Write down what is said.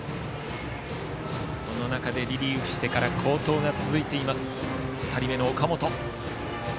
その中でリリーフしてから好投が続いている２人目の岡本。